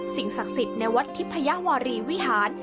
สิ่งศักดิ์สิทธิ์ในวัดทิพยาวารีวิหาร